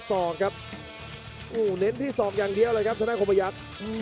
โปรดติดตามต่อไป